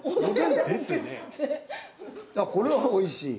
これは美味しい。